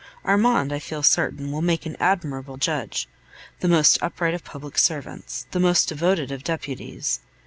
Armand, I feel certain, will make an admirable judge, the most upright of public servants, the most devoted of deputies.